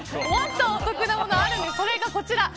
もっとお得なものがあるんですそれがこちら。